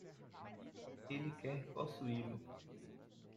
Ele quer possuí-lo.